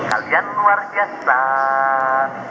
kalian keluarga start